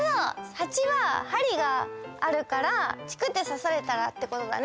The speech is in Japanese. ハチはハリがあるからチクッてさされたらってことだね。